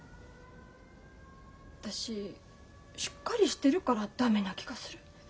私しっかりしてるから駄目な気がする。